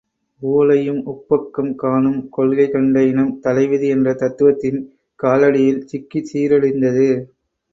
ஊழையும் உப்பக்கம் காணும் கொள்கை கண்ட இனம் தலைவிதி என்ற தத்துவத்தின் காலடியில் சிக்கிச் சீரழிந்தது.